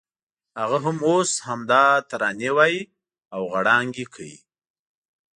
هغه هم اوس همدا ترانې وایي او غړانګې کوي.